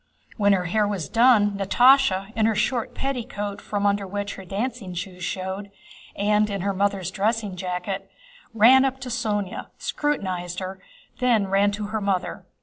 When her hair was done, Natásha, in her short petticoat from under which her dancing shoes showed, and in her mother's dressing jacket, ran up to Sónya, scrutinized her, and then ran to her mother.